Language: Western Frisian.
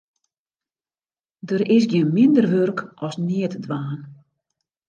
Der is gjin minder wurk as neatdwaan.